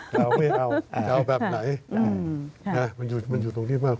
ใช่มันอยู่ดรุงที่บ้าง